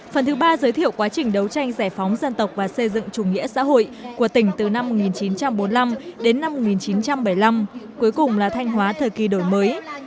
phần thứ ba giới thiệu quá trình đấu tranh giải phóng dân tộc và xây dựng chủ nghĩa xã hội của tỉnh từ năm một nghìn chín trăm bốn mươi năm đến năm một nghìn chín trăm bảy mươi năm cuối cùng là thanh hóa thời kỳ đổi mới